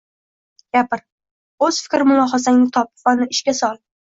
Gapir. O‘z fikr-mulohazangni top va uni ishga sol!